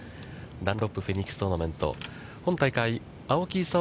ダンロップフェニックストーナメント、本大会青木功